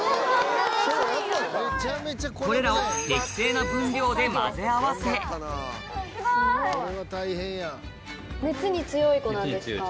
・これらを適正な分量で混ぜ合わせ・熱に強いコなんですか？